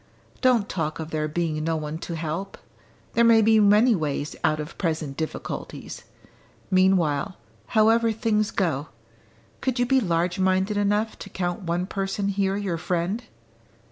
"Don't talk of there being no one to help! There may be many ways out of present difficulties. Meanwhile, however things go, could you be large minded enough to count one person here your friend?"